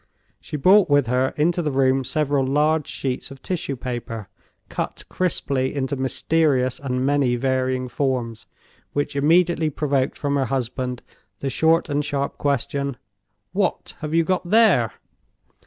She brought with her into the room several large sheets of tissue paper, cut crisply into mysterious and many varying forms, which immediately provoked from her husband the short and sharp question, "What have you got there?"